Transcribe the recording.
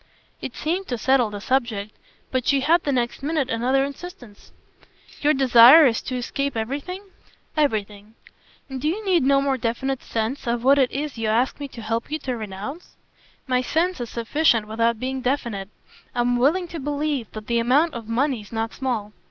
It seemed to settle the subject, but she had the next minute another insistence. "Your desire is to escape everything?" "Everything." "And do you need no more definite sense of what it is you ask me to help you to renounce?" "My sense is sufficient without being definite. I'm willing to believe that the amount of money's not small."